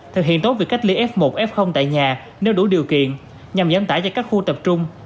thực hiện tốt việc cách ly f một f tại nhà nếu đủ điều kiện nhằm giảm tải cho các khu tập trung